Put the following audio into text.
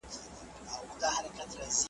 ایا ځايي کروندګر جلغوزي صادروي؟